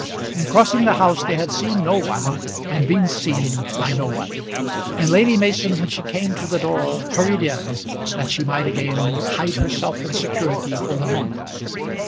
In crossing the house they had seen no one and been seen by no one; and Lady Mason when she came to the door hurried in, that she might again hide herself in security for the moment.